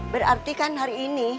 berarti kan hari ini